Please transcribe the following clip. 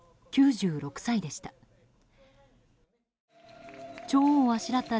９６歳でした。